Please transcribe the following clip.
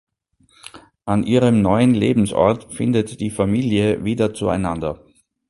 An ihrem neuen Lebensort findet die Familie wieder zueinander.